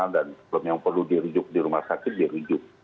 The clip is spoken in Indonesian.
dan yang perlu dirujuk di rumah sakit dirujuk